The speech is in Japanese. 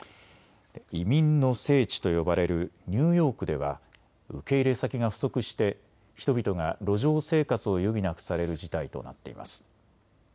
移民の聖地と呼ばれるニューヨークでは受け入れ先が不足して人々が路上生活を余儀なくされる事態となっています。